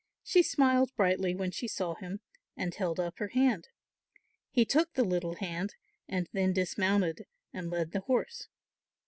She smiled brightly when she saw him, and held up her hand. He took the little hand and then dismounted and led the horse.